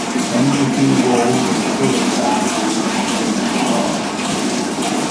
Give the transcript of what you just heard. Only a few walls and a storage barn of the original abbey survive.